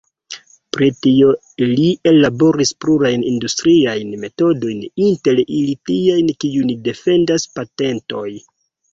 Pri tio li ellaboris plurajn industriajn metodojn, inter ili tiajn, kiujn defendas patentoj.